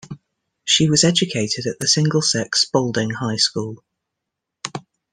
She was educated at the single-sex Spalding High School.